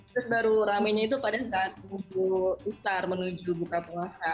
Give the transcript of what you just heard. terus baru ramenya itu pada saat minggu besar menuju buka puasa